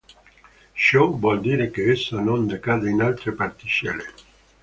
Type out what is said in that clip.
Ciò vuol dire che esso non decade in altre particelle.